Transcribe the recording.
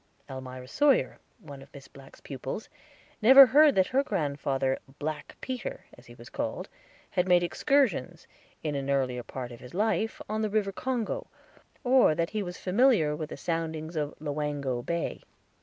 Elmira Sawyer, one of Miss Black's pupils, never heard that her grandfather "Black Peter," as he was called, had made excursions, in an earlier part of his life, on the River Congo, or that he was familiar with the soundings of Loango Bay.